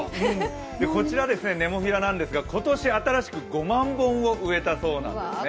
こちら、ネモフィラなんですが今年新しく５万本を植えたそうなんです。